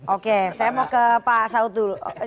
oke saya mau ke pak saud dulu